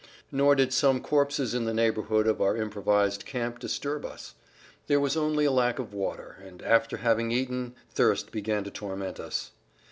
Nor did some corpses in the neighborhood of our improvised camp disturb us. There was only a lack of water and after having eaten thirst began to torment us.